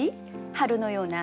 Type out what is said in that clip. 春のような。